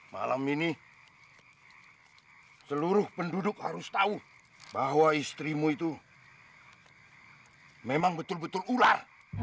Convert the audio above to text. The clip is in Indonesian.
malam ini seluruh penduduk harus tahu bahwa istrimu itu memang betul betul ular